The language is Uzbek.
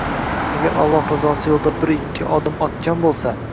agar Alloh rizosi yo'lida bir-ikki odim otgan bo'lsa